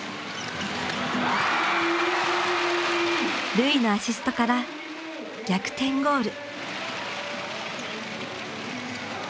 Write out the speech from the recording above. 瑠唯のアシストから逆転ゴール。